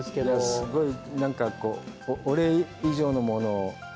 すごいお礼以上のものを。